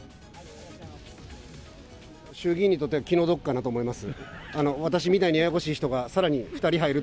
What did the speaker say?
衆議院にとっては気の毒かなと思います。